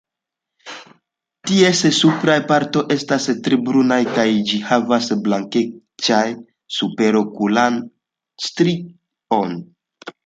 Ties supraj partoj estas tre brunaj, kaj ĝi havas blankecan superokulan strion.